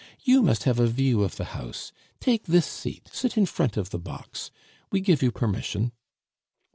You must have a view of the house; take this seat, sit in front of the box; we give you permission."